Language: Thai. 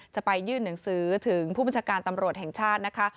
จะไปยื่นหนังสือถึงผู้บัญชาการตำรวจแห่งชาตินะคะ